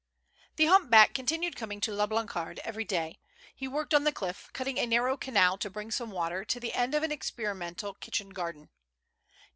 The humpback continued coming to La Blancarde every day. He worked on the cliff* cutting a narrow canal to bring some water to the end of an experimental kitchen garden.